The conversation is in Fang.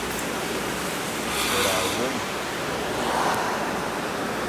Bôr awôm.